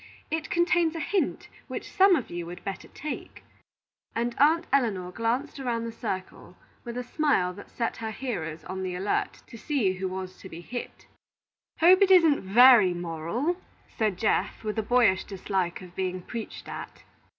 It contains a hint which some of you would better take;" and Aunt Elinor glanced around the circle with a smile that set her hearers on the alert to see who was to be hit. "Hope it isn't very moral," said Geoff, with a boyish dislike of being preached at.